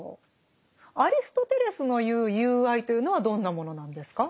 アリストテレスの言う「友愛」というのはどんなものなんですか？